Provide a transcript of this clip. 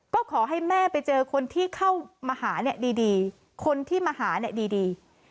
ก็ขอให้แม่ไปเจอคนที่เข้ามาหาเนี่ยดีคนที่มาหาเนี่ยดี